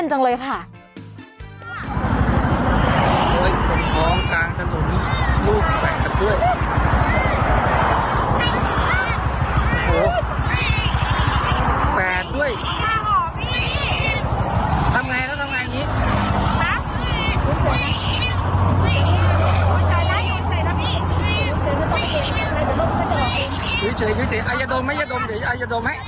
โอ้โหแปดด้วย